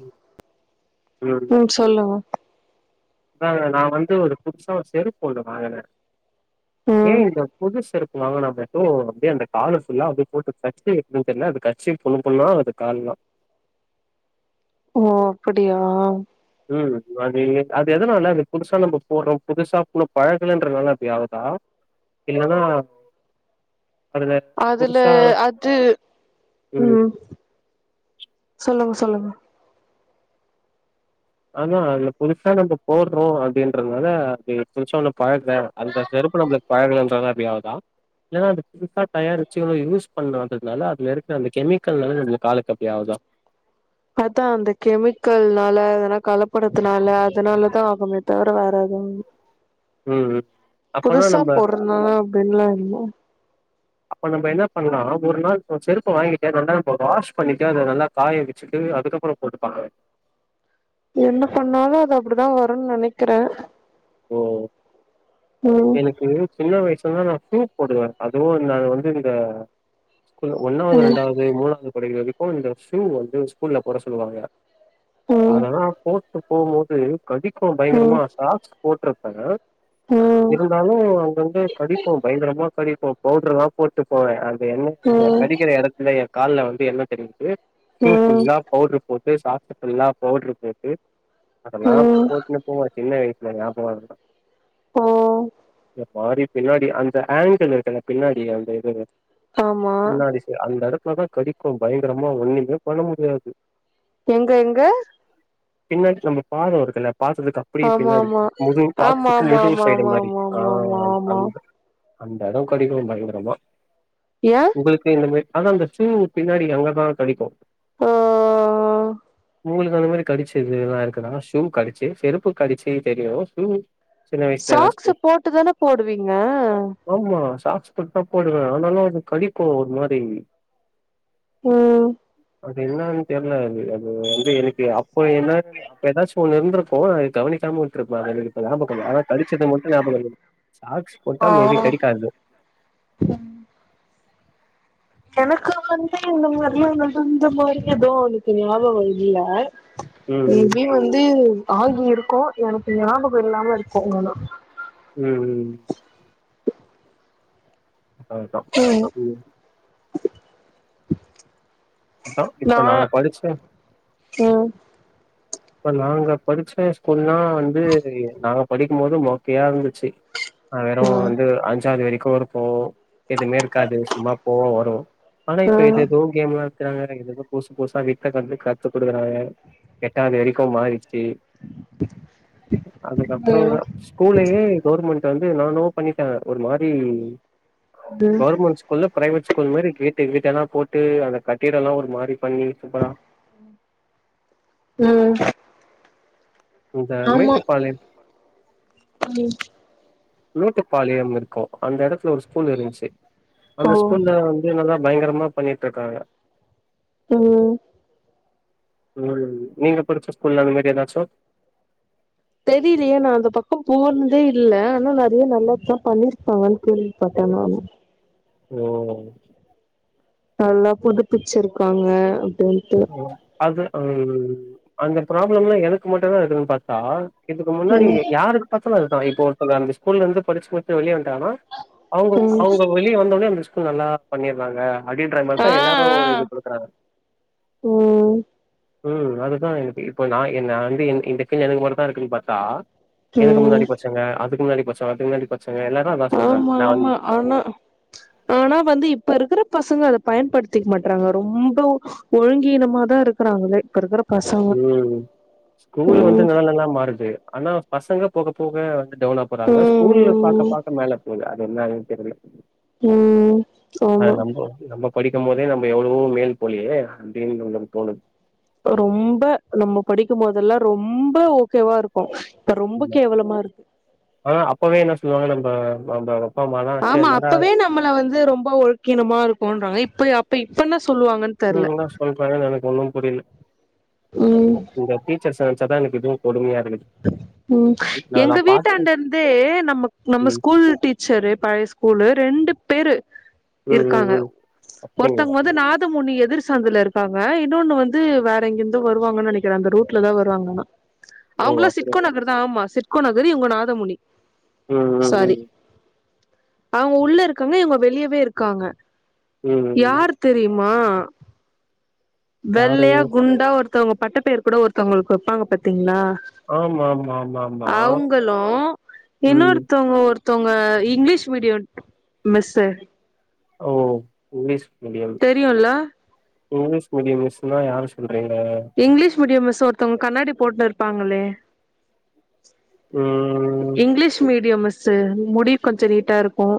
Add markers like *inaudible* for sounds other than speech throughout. ம் ம் ம் சொல்லுங்க அதா நா வந்து ஒரு புதுசா செருப்பு ஒன்னு வாங்குன ஏன் ம் இந்த புது செருப்பு வாங்கனா மட்டு அப்டியே அந்த காலு ஃபுல்லா அப்படியே போட்டு கடிச்சி வச் எதுவு தெரியல அது கச்சி புண்ணு புண்ணா ஆகுது கால் எல்லா ஓ அப்டியா ம் அது அது எதுனால அது புதுசா நம்ப போடுறோ புதுசா உன்னு பழகுலன்றனால அப்டி ஆகுதா இல்லன்னா அதுல அதுல புதுசா அது ம் சொல்லுங்க சொல்லுங்க அதா அதுல புதுசா நம்ம போடுறோ அப்படின்றதுனால அது புதுசா ஒன்னு பழகல அந்த செருப்பு நம்மளுக்கு பழகுலன்றத அப்டி ஆவுதா இல்லனா அந்த புதுசா தயாரிச்சு யூஸ் பண்ணாததுனால அதுல இருக்கிற அந்த கெமிக்கல்னால நம்ளுக்கு காலுக்கு அப்டிய ஆகுதா அதா அந்த கெமிக்கல்னால அதல்லா கலப்படத்துனால அதனாலதா ஆவுமே தவிர வேற ஏதும் இல்ல ம் ம் அப்பனா புதுசா நம்ப போடுறதுனால அப்டின்னுலா இல்ல அப்ப நம்ம என்ன பண்லா ஒரு நாள் செருப்பு வாங்கிட்டு ரெண்டாவதா நம்ம வாஷ் பண்ணிட்டு அத நல்லா காய வச்சுட்டு அதுக்கப்பறோ போட்டுப்பாங்க என்ன பண்ணாலு அது அப்டிதா வருன்னு நெனைக்கிறே ஓ ம் எனக்கு சின்ன வயசுல நா ஷூ போடுவே அதுவு நா வந்து இந்த ஒன்னாவது ம் ரெண்டாவது மூணாவது படிக்கிற வரைக்கு இந்த ஷூ வந்து ஸ்கூல்ல போட சொல்லுவாங்க ம் அதெல்லா போட்டு போகு போது கடிக்கு பயங்கரமா ம் சாக்ஸ் போட்டிருப்பே இருந்தாலு அங்க அங்க கடிக்கு பயங்கரமா கடிக்கு பவுடரு லா போட்டு போவே அந்த எண்ண் அ ம் ம் கடிக்கிற எடத்துல எ கால்ல வந்து எண்ணெ தடவிட்டு ஷூ ம் ஃபுல்லா பவுடரு போட்டு சாக்ஸ் புல்லா பவுடரு போட்டு அதலா ம் போட்டுன்னு போவோ சின்ன வயசுல ஞாபகோ இரு ஓ இந்த மாரி பின்னாடி அந்த ஆங்கிள் இருக்குல்ல பின்னாடி அந்த இது ஆமா பின்னாடி அந்த எடத்துலதா கடிக்கு பயங்கரமா ஒண்ணுமே பண்ண முடியாது எங்க எங்க பின்னாடி நம்ம பாதோ வருத்துல பாத்தறதுக்கு அப்டியே ஆமா பின்னாடி ஆமா முதுகு ஆமா பாத்துக்கு முதுகு ஆமா சைடு ஆமா மாரி ஆமா ஆமா ஆ ஆமா ஆமா ஆமா அந்த அந்த எடோ கடிக்கு பயங்கறமா ஏ உங்களுக்கு இந்த மாரி ஆனா அந்த ஷூவு பின்னாடி அங்கதா கடிக்கு ஆ உங்களுக்கு அந்த மாரி கடிச்சு இதுெல்லா இருக்குதா ஷூ கடிச்சு செருப்பு கடிச்சு தெரியு ஷூ சின்ன வ சாக்ஸ் போட்டுதானே போடுவீங்க ஆமா சாக்ஸ் போட்டு தா போடுவே ஆனாலு அது கடிக்கு ஒரு மாரி ஓ அது என்னானு தெர்ல அது அது வந்து எனக்கு அப்ப என்ன அப்ப ஏதாச்சு ஒன்னு இருந்திருக்கு நா கவனிக் டாம உட்ருப்பே அது எனக்கு இப்ப ஞாபகம் இல்ல ஆன கடிச்சத மட்டு ஞாபக இருக் சாக்ஸ் ஆ போட்டா மே பி கடிக்காது எனக்கு வந்து இந்த மாரிலா நடந்த மாரி எது எனக்கு ஞாபகோ இல்ல மே ம் பி வந்து ஆகி இருக்கு எனக்கு ஞாபகோ இல்லாம இருக்கு ஆனா ம் ம் அதா ம் ம் அதா நா இப்ப நாங் படிச்ச ம் இப்ப நாங்க படிச்ச ஸ்கூலா வந்து நாங்க படிக்கு போது மொக்கையா இருந்துச்சு நா வெறு ம் வந்து அஞ்சாவது வரைக்கு இருப்போ எதுவுமே இருக்காது சும்மா போவ வருவோ ஆனா இப்ப ம் ஏதேதோ கேம்ல நடத்துறாங்க எதோ ஏதோ புதுசு புதுசா வித்த கத்து கத்து குடுக்குறாங்க அது அதுக்கோ மாறிறுச்சு அதுக்கப்பறோ ம் ஒரு ஸ்கூலயே கவர்மெண்ட் வந்து நானோ பண்ணிருக்காங்க ஒரு மாரி ம் கவர்மெண்ட்ஸ் குள்ள பிரைவேட் ஸ்கூல் மாரி கேட்டு வீட்டு எல்லா போட்டு அந்த கட்டிடோலா ஒரு மாரி பண்ணி சூப்பரா ம் இந்த ஆமா மேட்டுப்பாளையம் ம் நூட்டுப்பாளையம் இருக்கும் அந்த எடத்துல ஒரு ஸ்கூல் இருந்துச்சி ஓ அந்த ஸ்கூல்ல வந்து நல்லா பயங்கரமா பண்ணிட்டு இருக்காங்க ஓ ஒரு நீங்க படிச்ச ஸ்கூல்ல அந்த மாரி ஏதாச்சும் தெரியலயே நான் அந்த பக்கம் போனதே இல்ல ஆனா நெறைய நல்லதுதான் பண்ணிருப்பாங்கன்னு கேள்விப்பட்டே நானும் ஓ நல்லா புதுப்பிச்சிருக்காங்க அப்டின்ட்டு அது ம் அந்த ப்ராப்ளம்லாம் எனக்கு மட்டும்தா இருக்குனு பாத்தா இதுக்கு முன்னாடி ம் யாருக்கு பாத்தாலும் அதுதா இப்போ ஒருத்தங்க அந்த ஸ்கூல்ல இருந்து படிச்சி முடிச்சி வெளிய வந்தாலும் அவுங்க ம் அவுங்க வெளியே வந்த உனே அந்த ஸ்கூல் நல்லா பண்ணிறாங்க அப்டின்ற ஆ மாரிதா ஆ எல்லாரும் இது குடுக்கறாங்க ம் ம் அதுதான் எனக்கு இப்ப நான் என்ன வந்து *unintelligible* இருக்குன்னு பாத்தா எனக்கு ம் முன்னாடி படிச்சவங்க அதுக்கு முன்னாடி படிச்சவங்க அதுக்கு முன்னாடி படிச்சவங்க எல்லாரும் ஆமா ஆமா ஆனா ஆனா வந்து இப்ப இருக்கற பசங்க அத பயன்படுத்திக்க மாட்றாங்க ரொம்ப ஒழுங்கீனமா தான் இருக்கறாங்கலே இப்ப இருக்கற ம் ஸ்கூல்ல வந்து ம் நெலங்கல மாறுது ஆனா பசங்க போக போக வந்து டெவலப்பர் ஆக ஸ்கூல்ல பாக்க ம் ம் பாக்க மேல போவுது அது என்னனு தெரில ம் ஆ ஆமா நம்ப நம்ம படிக்கும் போதே நம்ம எவ்வளவோ மேல் போலியே அப்டினு நமக்கு தோணுது ரொம்ப நம்ம படிக்கும் போதெல்லாம் ரொம்ப ஓகேவா இருக் கும் இப்ப ரொம்ப கேவலமா இருக்கு ஆ அப்பவே என்ன சொல்லுவாங்க நம்ப நம்ப அப்பா அம்மாலா ச்சே ஆமா என்னடா அப்பவே நம்மள வந்து ரொம்ப ஒழுக்கீனமா இருக்கோன்றாங்க இப்ப அப்ப இப்ப என்ன சொல்லுவாங்க ம் என்ன சொல்றாங்கனு எனக்கு ஒன்னும் புரியி ம் இந்த டீச்சர்ஸ் நெனைச்ச தான் எனக்கு இனும் கொடுமையா இருக்குது ம் நான் எங்க நான் பாத்து வீட்டாண்ட இருந்து நம்ம நம்ம ம். ஸ்கூல் டீச் சரு பழைய ஸ்கூல்ல ரெண்டு பேரு ம் ம் இருக்காங்க ம். ஒருத்ங்க வந்து அப்டிங்களா? நா து மணி எதிர் சந்துல இருக்காங்க இன்னொன்னு வந்து வேற எங்கிருந்தோ வருவாங்கனு நெனைக்கிறேன் அந்த ரூட்ல தான் வருவாங்க ஆனா ஓ! அவுங்களாம் அப்டி. சிக்கோ நகர் தா ஆமா சிக்கோ நகர் இவுங்க நாதமுனி ம் ம் சாரி ம். அவுங்க உள்ள இருக்காங்க இவுங்க வெளியவே இருக்காங்க ம் ம். யாரு தெரியுமா யாரு? வெள்ளையா குண்டா ஒருத்தவங்க பட்ட பேரு கூட ஒருத்தவங்களுக்கு வப்பாங்க பாத்தீங்களா ஆமாமாமாமா. அவுங்களும் ம். இன்னொருத்தவங்க ஒருத் த்தவங்க இங்கிலீஷ் மீடியம் மிஸ்சு ஓ இங்கிலிஷ் மிடியம் தெரியுல்ல இங்கிலீஷ் மீடியம் மிஸ்னா யார சொல்றீங்க இங்கிலீஷ் மீடியம் மிஸ்சு ஒருத்தவங்க கண்ணாடி போட்டு இருப்பாங்களே ம் இங்கிலீஷ் மீடியம் மிஸ்சு முடி கொஞ்சோ நீட்டா இருக்கும்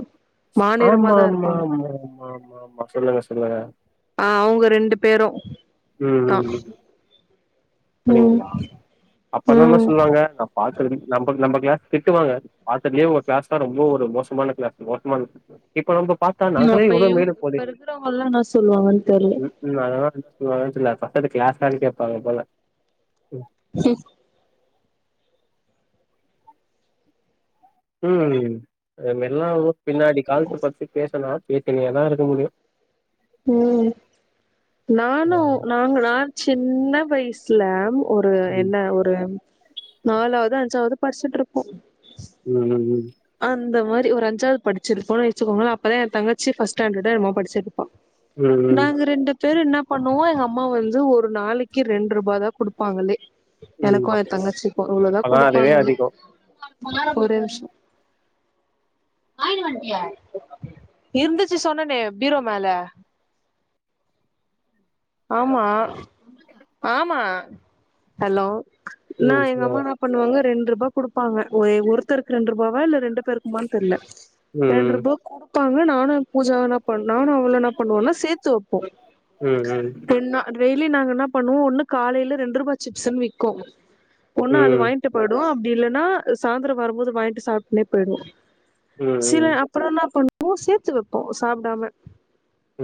ஆமா ஆமா ஆமா ஆமா ஆமா ஆமா சொல்லுங்க சொல்லுங்க ஆ அவுங்க ரெண்டு பேரூ ம் ம் ம் ம் அப்படிங்களா அப்பன்னாமா ம் சொல்லுவாங்க நா பாக்குறது நம்ப நம்ம கிளாஸ் திட்டுவாங்க பாத்ததுலயே ஒங்க கிளாஸ் தான் ரொம்ப ஒரு மோசமான கிளாஸு மோசமான கிளாஸு இப்ப நம்ப பாத்தா ம் நாங்களே அப்ப எவ்வளோ இவ் மேலு இப்ப போலயே இருக்கிறவங்கல்லா என்ன சொல்லுவாங்கன்னு தெர்ல உம் நாங்கள திட்டு வாங்குனதுல பக்கத்து கிளாஸானு கேப்பாங்க போல ம் உம் நம்மெல்லா ஊர் பின்னாடி காலத்த பத்தி பேசுனா பேசினேதா இருக்க முடியு உம் நானூ நாங்களா சின்ன வயசு சுலா ஒரு ம் என்ன ஒரு நாலாவது அஞ்சாவது படிச்சிட்ருப்போ உம் உம் உம் அந்த மாரி ஒரு அஞ்சாவது படிச்சிருப்போனு வச்சுக்கோங்களே அப்பதா ஏ தங்கச்சி ஃபஸ்ட் ஸ்டேண்டடோ என்னமோ படிச்சிட்ருப்பா ம் ம் ம் நாங்க ரெண்டு பேரு என்ன பண்ணுவோ எங்க அம்மா வந்து ஒரு நாளைக்கி ரெண்ட் ருபாதா குடுப்பாங்களே ம் எனக்கு ஏ தங்கச்சிக்கூ அவ்ளோதா அப்பதா அதுவே குடுப்பாங்களே அதிகோ ஒரே நிமிஷோ வாயின வண்டிய இருந்துச்சு சொன்னனே பீரோ மேல ஹலோ இன்னா ம் சொல்லுங்க எங்கம்மானா பண்ணுவாங்க ரெண்ட் ருபா குடுப்பாங்க ஒயே ஒருத்தருக் ரெண்ட் ருபாவா இல்ல ரெண்டு பேருக் குமான் தெர்ல ரெண்ட் ம் ருபாய் கு பாங்க நானூ பூஜாவு என்ன பன்ணோ அவளூ என்னப் பண்ணுவோனா சேத்து வப்போ உம் உம் நா ட்ரெய்லி நாங்க என்ன பண்ணுவோ ஒண்ணு காலைல ரெண்ட் ரூபா சிப்ஸுன் விக்கூ ஒண்ணு அது ம் வாய்ங்ட் ட்டு பொய்டுவோ அப்டி இல்லனா சாயந்தரோ வரும்போது வாய்ன்ட்டு சாப்ட்டுனே போயிடுவோ ம் சில ம் அ அப்புறோ என்னா பண்ணுவோ சேத்து வப்போ சாப்புடாம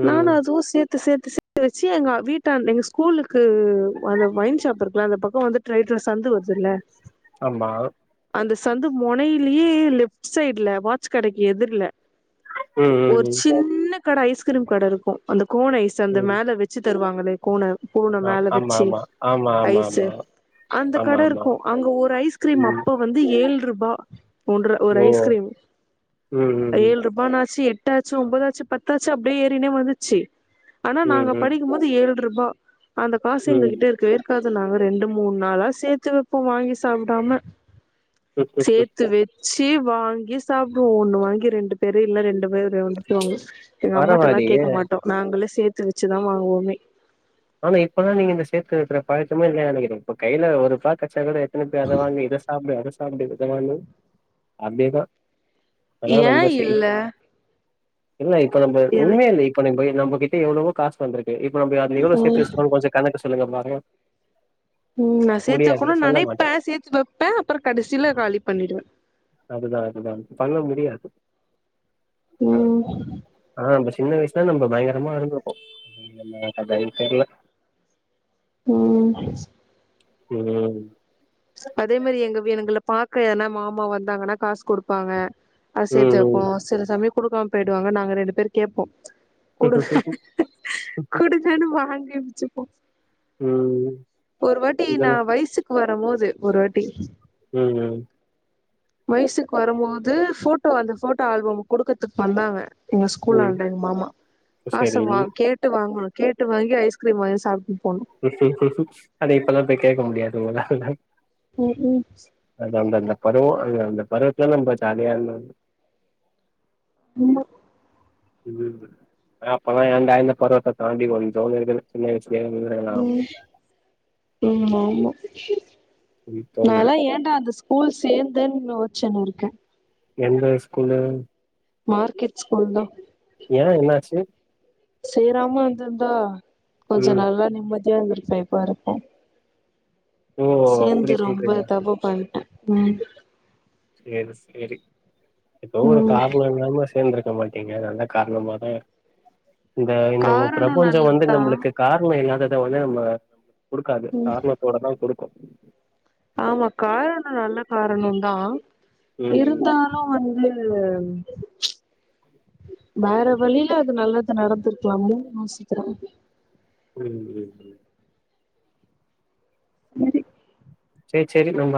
ம் நானூ ம் அதுவூ சேத் து சேத்து சேத்து வச்சி எங்க வீட்டான் எங்க ஸ்கூலுக்கு கூ அந்த வொய்ன்ஷாப் இருக்குல அந்த பக்கொ வந்து ட்ரைட்ல சந்து வருதுல்ல ஆமா அந்த சந்து மொனைலையே லெஃப்ட் சைட்ல வாட்ச் கடைக்கு எதுர்ல ம் ஒரு ம் சின்ன கட ஐஸ்கிரீம் கட இருக்கூ அந்த கோண் ஐஸ் அந்த ம் ம் மேல வெச் வச்சு தருவாங்களே கோண கோண ஆ மேல ஆமா வெச்சி ஆமா. ஆமா ஆமா ஐசு ஆமா. அந்த ஆமா கட ஆமா. இருக்கூ அங்க ஒரு ஐஸ்கிரீம் ம். அப்பொ வந்து ஏழ் ருபா ஒன்று ஒரு ஓ! ஐஸ்கிரீம் ம் ம் ஏழ் ருப் பானாச்சி எட்டாச்சு ஒன்பதாச்சு பத்தாச்சு அப்டியே ஏறினே வந்துச்சி ஆனா நாங்க ம். படிக்கும்போது து ஏழ் ருபா அந்த காசு எங்க ம் ம். கிட்ட இருக்கவே இருக் காது நாங்க ரெண்டு மூண் நாளா சேத்து வெப்போ வாங்கி சாப்புடாம ம். சேத்து வெச்சி வாங்கி சாப்டுவோ ஒண்ணு வாங்கி ரெண்டு பேரு இல்ல ரெண்டு பேரு வந்துட்டூ எங்க அம்மாட்டல்லா பரவாயில்லயே! கேட்க மாட்டோ நாங்களே சேத்து வச்சிதா வாங்குவோமே ஆனா இப்பலா நீங்க இந்த சேத்து வெக்கிற பழக்கமே இல்ல நெனைக்கிறே இப்ப கைல ஒர் ருபா கெட்ச்சா கூட தின்னுட்டு அத வாங்கு இத சாப்டு அத சாப்டு அத வாங்கு அப்டியேதா அனால ஏ நம்ப செய்து இல்ல இல்ல இப்ப நம்ப எது உண்மையவே இப்ப நம்ப நம்பகிட்ட எவ்ளவோ காசு வந்துருக்கு இப்ப நம்ப அதுல எவ்ளோ ம் கொஞ்சொ கணக்கு சொல்லுங்க பாக்கலா ம் நா சேத்து வெக்கனூன் சொல்ல நெனைப்பே மாட்டோம். சேத்து வெப்பே அப்பறொ கடைசில காலி பண்ணிடுவ அதுதா அதுதா பண்ண முடியாது ம் ஆனா நம்ப சின்ன வயசுல நம்ப பயங்கரமா இருந்திருப்போ நம்ம கத தெர்ல ம் ம் அதே மேரி எங்க எங்கள பாக்க என்னா மாமா வந்தாங்கன்னா காசு குடுப்பாங்க அது சேத்து வெப்போ ம், சில சமயொ குடுக்காம பேயிடுவாங்க நாங்க ரெண்டு பேரு கேப்போ குடு ம். குடுங்கனு வாங்கி வச்சுப்போ ம் ஒரு வாட்டி நா இதெல்லா வயசுக்கு வரம் போது ஒரு வாட்டி ம் ம் வயசுக்கு வரம்போது ஃபோட்டோ அந்த ஃபோட்டோ ஆல்பம் குடுக்கறதுக்கு வந்தாங்க எங்க ம். ஸ்கூலான்ட எங்க மாமா சரி. காச வாங் கேட் கேட்டு வாங்குனோ கேட்டு வாங்கி ஐஸ்கிரீம் வாங்கி சாப்ட்டு போணோ ஆனா இப்பெல்லா போய் கேக்க முடியாது உங்களால ம்ம் அது அந்த அந்த பருவோ அ அந்த பருவத்துல நம்ம ஜாலியா இருந்த ம் *unintelligible* அப்பவே ஏண்டா இந்த பருவத்த தாண்டி வந்தோனு இருக்குது சின்ன வயசுலயே இருந்திருக்கலாம் ம் ம் ஆமா ம் தோணுது. நால்லா ஏண்டா அந்த ஸ்கூ ஸ்கூல் சேந்தேன்னு யோஸ்ச்சின்னு இருக்கே எந்த ஸ்கூலு மார்க்கெட் ஸ்கூல்தா ஏ என்னாச்சு சேறாம இருந்திருந்தா கொஞ்ச ம். நல்லா நிம்மதியா இருந்திருப்பேன் பாருப்ப ஓ! அப்டி சேந்து ரொம்ப சொல்றீங்களா? தப்பு பண்ட்டே ம் சேரி சேரி இப்பவு ஒரு ம் காரணொ இல்லாம சேந்திருக்க மாட்டீங்க நல்ல காரணமாதா இருக் இந்த இந்த காரணோ பிரபஞ்சம் வந்து நல்லதுதா நம்மளுக்கு காரணொ இல்லாதத வந்து நமக்கு குடுக்காது ம் காரணத்தோடதா குடுக்கூ ஆமா காரணொ நல்ல காரணொந்தா ம் ம் இருந்தாலு லு வந்து வேற வழியில அது நல்லது நடந்திருக்லாமேனு யோசிக்கிறே ம் ம் ம் செரி சேரி சேரி நொம்பா